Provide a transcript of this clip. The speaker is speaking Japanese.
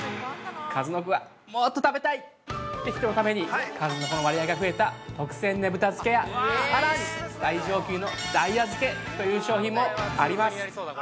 数の子がもっと食べたいという人のために数の子の割合がふえた特撰ねぶた漬や、さらに、最上級のダイヤ漬という商品もあります。